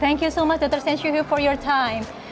saya melihat terima kasih banyak dr sen shuhu untuk waktu anda